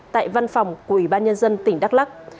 tại văn phòng của ủy ban nhân dân tỉnh đắk lắc